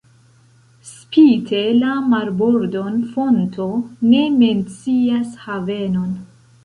Spite la marbordon fonto ne mencias havenon.